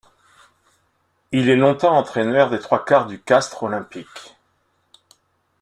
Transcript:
Il est longtemps entraîneur des trois-quarts du Castres olympique.